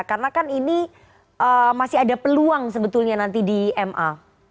karena kan ini masih ada peluang sebetulnya nanti di ma